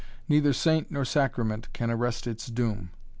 Neither saint or sacrament can arrest its doom.